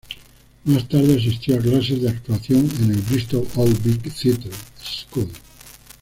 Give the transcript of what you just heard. Más tarde asistió a clases de actuación en el Bristol Old Vic Theatre School.